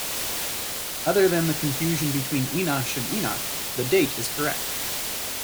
Other than the confusion between Enosh and Enoch, the date is correct.